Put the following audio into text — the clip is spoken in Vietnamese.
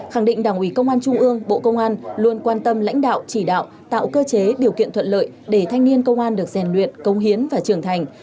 khẳng định đảng ủy công an trung ương bộ công an luôn quan tâm lãnh đạo chỉ đạo tạo cơ chế điều kiện thuận lợi để thanh niên công an được rèn luyện công hiến và trưởng thành